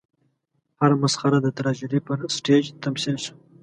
هره مسخره د تراژیدۍ پر سټېج تمثیل شوه.